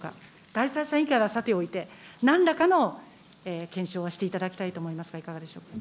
第三者委員会はさておいて、なんらかの検証はしていただきたいと思いますが、いかがでしょうか。